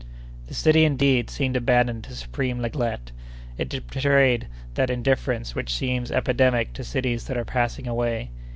The city, indeed, seemed abandoned to supreme neglect; it betrayed that indifference which seems epidemic to cities that are passing away.